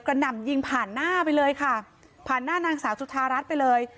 หน่ำยิงผ่านหน้าไปเลยค่ะผ่านหน้านางสาวจุธารัฐไปเลย